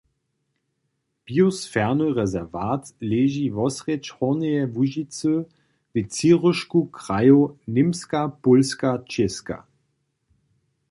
Biosferowy rezerwat leži wosrjedź Hornjeje Łužicy w třiróžku krajow Němska-Pólska-Čěska.